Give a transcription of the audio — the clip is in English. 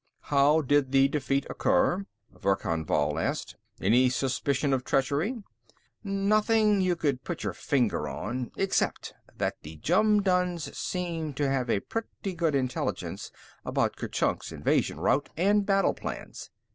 "How did the defeat occur?" Verkan Vall asked. "Any suspicion of treachery?" "Nothing you could put your finger on, except that the Jumduns seemed to have pretty good intelligence about Kurchuk's invasion route and battle plans.